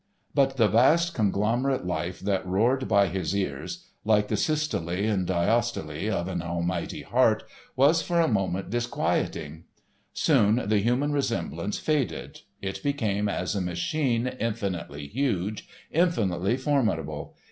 But the vast conglomerate life that roared by his ears, like the systole and diastole of an almighty heart, was for a moment disquieting. Soon the human resemblance faded. It became as a machine infinitely huge, infinitely formidable.